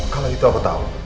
kalau gitu apa tau